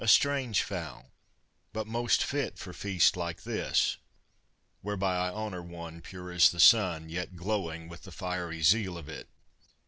A strange fowl! But most fit For feasts like this, whereby I honor one Pure as the sun! Yet glowing with the fiery zeal of it!